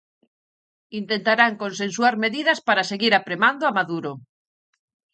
Intentarán consensuar medidas para seguir apremando a Maduro.